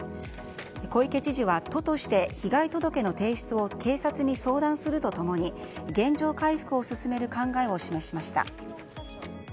小池知事は都として被害届の提出を警察に相談するとともに現状回復を進める考えを示しました。